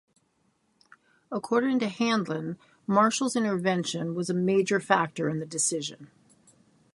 According to Handlin, Marshall's intervention was a major factor in the decision.